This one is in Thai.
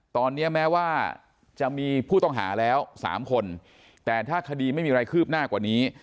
ตอนนี้แม้ว่าจะมีผู้ต้องหาแล้ว๓คนแต่ถ้าคดีไม่มีอะไรคืบหน้ากว่านี้